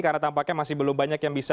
karena tampaknya masih belum banyak yang bisa